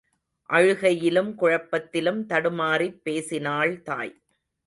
அழுகையிலும் குழப்பத்திலும் தடுமாறிப் பேசினாள் தாய்.